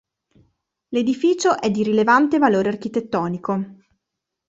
L'edificio è di rilevante valore architettonico.